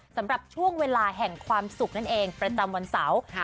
สำหรับช่วงเวลาแห่งความสุขนั่นเองประจำวันเสาร์